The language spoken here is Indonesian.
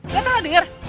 tidak salah dengar